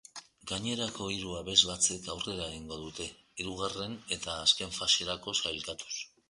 Gainerako hiru abesbatzek aurrera egingo dute, hirugarren eta azken faserako sailkatuz.